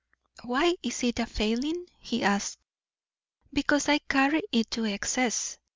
"Why is it a failing?" he asked. "Because I carry it to excess.